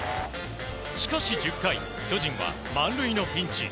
しかし１０回、巨人は満塁のピンチ。